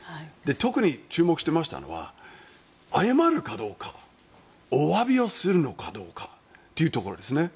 特に注目してましたのは謝るかどうかおわびをするのかどうかというところですね。